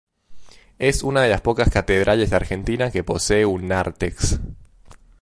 Es una de las pocas catedrales de Argentina que posee un nártex.